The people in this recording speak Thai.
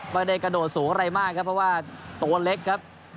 ไม่ได้กระโดดสูงอะไรมากครับเพราะว่าตัวเล็กครับ